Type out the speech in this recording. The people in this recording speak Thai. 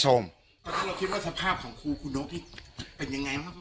เราคิดว่าสภาพของครูคุณโน้กเป็นยังไงค่ะ